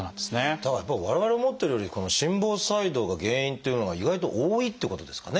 だからやっぱり我々思ってるよりこの心房細動が原因っていうのが意外と多いっていうことですかね。